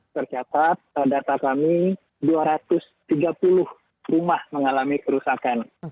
tercatat data kami dua ratus tiga puluh rumah mengalami kerusakan